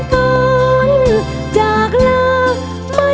ขอบคุณครับ